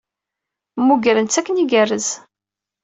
Mmugren-tt akken igerrez.